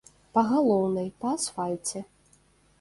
Па галоўнай, па асфальце.